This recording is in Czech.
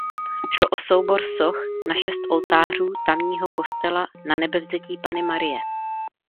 Šlo o soubor soch na šest oltářů tamního kostela Nanebevzetí Panny Marie.